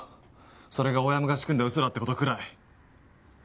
それが大山が仕組んだうそだってことくらい。